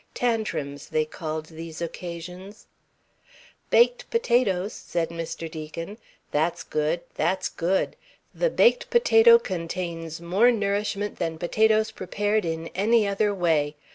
"Tantrims," they called these occasions. "Baked potatoes," said Mr. Deacon. "That's good that's good. The baked potato contains more nourishment than potatoes prepared in any other way.